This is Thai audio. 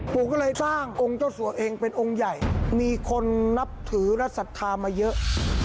ปู่ก็เลยสร้างองค์เจ้าสัวเองเป็นองค์ใหญ่มีคนนับถือและศรัทธามาเยอะ